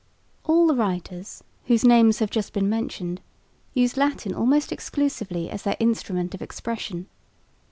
All the writers, whose names have just been mentioned, used Latin almost exclusively as their instrument of expression.